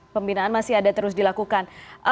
pembinaan masih ada terus dilakukan